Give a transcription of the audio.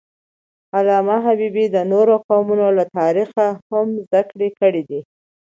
علامه حبیبي د نورو قومونو له تاریخه هم زدهکړه کړې ده.